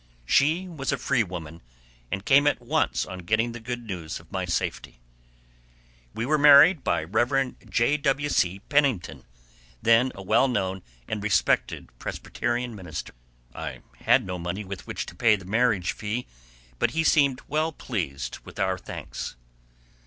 She was a free woman, and came at once on getting the good news of my safety. We were married by Rev. J. W. C. Pennington, then a well known and respected Presbyterian minister. I had no money with which to pay the marriage fee, but he seemed well pleased with our thanks.